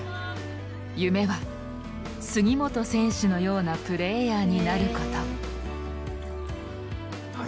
夢は杉本選手のようなプレーヤーになること。